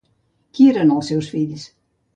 Qui eren els seus fills?